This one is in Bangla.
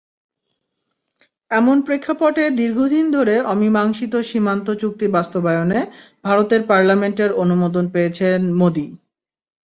এমন প্রেক্ষাপটে দীর্ঘদিন ধরে অমীমাংসিত সীমান্ত চুক্তি বাস্তবায়নে ভারতের পার্লামেন্টের অনুমোদন পেয়েছেন মোদি।